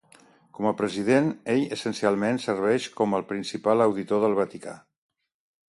Com a president, ell essencialment serveix com el principal auditor del Vaticà.